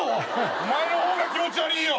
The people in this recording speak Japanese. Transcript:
お前の方が気持ち悪いよ。